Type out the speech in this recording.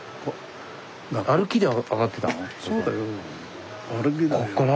歩きで上がってたの？